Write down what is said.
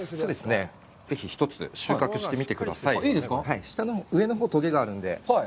ぜひ一つ、収穫してみてください。